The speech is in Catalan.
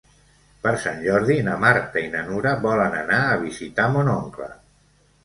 Per Sant Jordi na Marta i na Nura volen anar a visitar mon oncle.